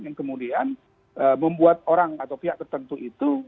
yang kemudian membuat orang atau pihak tertentu itu